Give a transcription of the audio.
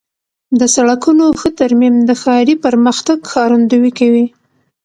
د سړکونو ښه ترمیم د ښاري پرمختګ ښکارندویي کوي.